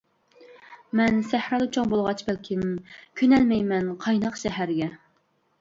مەن سەھرادا چوڭ بولغاچ بەلكىم، كۆنەلمەيمەن قايناق شەھەرگە.